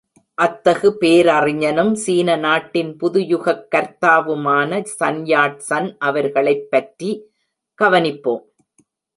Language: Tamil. அத்தகு பேரறிஞனும், சீன நாட்டின் புதுயுகக் கர்த்தாவுமான சன் யாட் சன் அவர்களைப்பற்றி கவனிப்போம்.